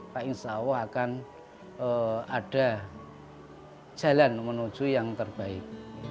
pak insya allah akan ada jalan menuju yang terbaik